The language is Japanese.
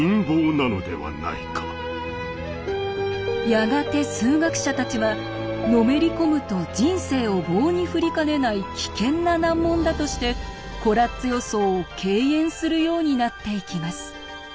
やがて数学者たちはのめり込むと人生を棒に振りかねない危険な難問だとしてコラッツ予想を敬遠するようになっていきます。